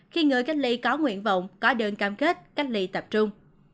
khi người cách ly có nguyện vọng có đơn cam kết cách ly tập trung